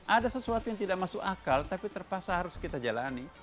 ada sesuatu yang tidak masuk akal tapi terpaksa harus kita jalani